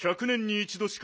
１００年に１ど？